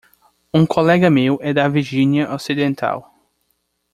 Um colega meu é da Virgínia Ocidental.